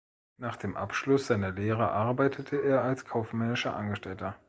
Nach dem Abschluss seiner Lehre arbeitete er als kaufmännischer Angestellter.